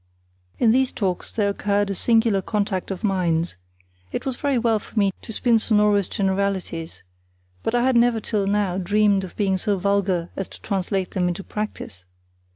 In these talks there occurred a singular contact of minds. It was very well for me to spin sonorous generalities, but I had never till now dreamed of being so vulgar as to translate them into practice.